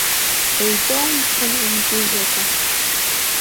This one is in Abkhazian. Еиҵоумԥсан умҵәыжәҩақәа!